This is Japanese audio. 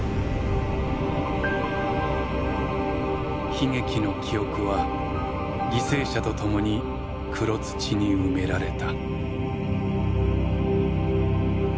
悲劇の記憶は犠牲者と共に黒土に埋められた。